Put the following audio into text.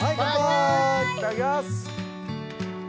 いただきます。